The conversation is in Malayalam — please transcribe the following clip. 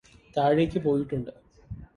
താഴേയ്ക് പോയിട്ടുണ്ട്